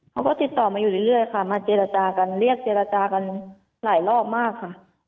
เขาก็ติดต่อมาอยู่เรื่อยค่ะมาเจรจากันเรียกเจรจากันหลายรอบมากค่ะ